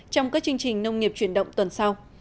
trong các chương trình nông nghiệp chuyển động tuần sau